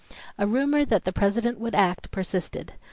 A rumor that the President would act persisted.